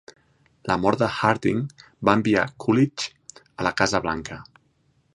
La mort de Harding va enviar Coolidge a la Casa Blanca.